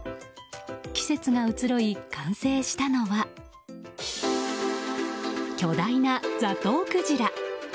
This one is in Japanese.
季節が移ろい、完成したのは巨大なザトウクジラ。